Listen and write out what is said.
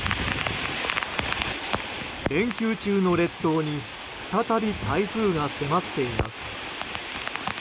連休中の列島に再び台風が迫っています。